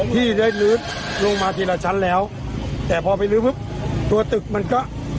ที่ได้ลื้อลงมาทีละชั้นแล้วแต่พอไปลื้อปุ๊บตัวตึกมันก็